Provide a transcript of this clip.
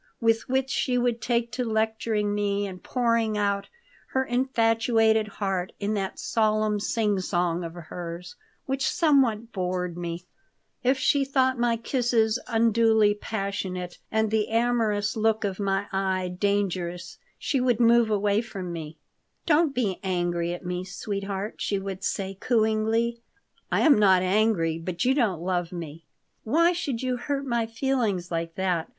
With which she would take to lecturing me and pouring out her infatuated heart in that solemn singsong of hers, which somewhat bored me If she thought my kisses unduly passionate and the amorous look of my eye dangerous she would move away from me "Don't be angry at me, sweetheart," she would say, cooingly "I am not angry, but you don't love me." "Why should you hurt my feelings like that?